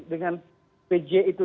dengan pj itu